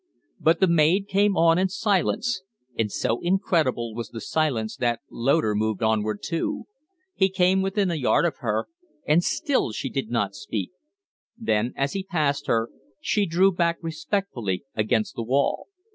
But the maid came on in silence, and so incredible was the silence that Loder moved onward, too. He came within a yard of her, and still she did not speak; then, as he passed her, she drew back respectfully against the wall.